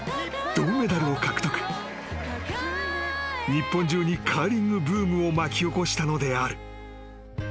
［日本中にカーリングブームを巻き起こしたのである］